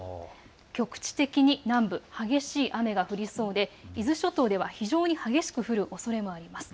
局地的に南部、激しい雨が降りそうで伊豆諸島では非常に激しく降るおそれもあります。